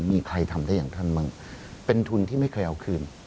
มีใครทำได้อย่างท่านบ้างเป็นทุนที่ไม่เคยเอาคืน